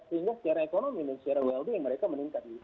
sehingga secara ekonomi dan secara well day mereka meningkat